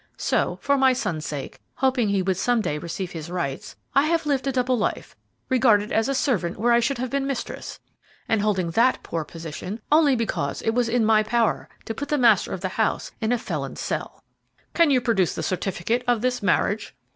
So, for my son's sake, hoping he would some day receive his rights, I have lived a double life, regarded as a servant where I should have been mistress, and holding that poor position only because it was within my power to put the master of the house in a felon's cell!" "Can you produce the certificate of this marriage?"